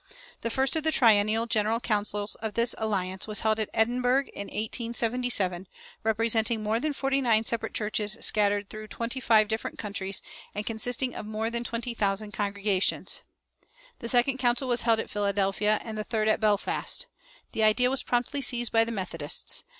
The first of the triennial general councils of this Alliance was held at Edinburgh in 1877, "representing more than forty nine separate churches scattered through twenty five different countries, and consisting of more than twenty thousand congregations."[413:1] The second council was held at Philadelphia, and the third at Belfast. The idea was promptly seized by the Methodists.